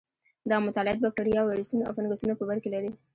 دا مطالعات بکټریاوو، ویروسونو او فنګسونو په برکې لري.